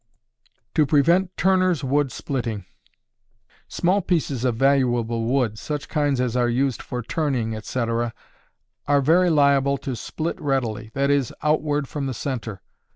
To Prevent Turners' Wood Splitting. Small pieces of valuable wood, such kinds as are used for turning, etc., are very liable to split readily that is, outward from the centre.